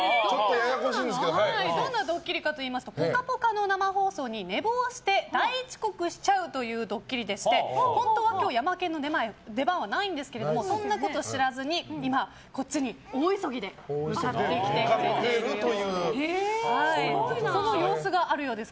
どんなドッキリかといいますと「ぽかぽか」の生放送に寝坊して、大遅刻しちゃうというドッキリで本当は今日ヤマケンの出番はないんですけどそんなこと知らずに今、こっちに大急ぎで来てくれているようです。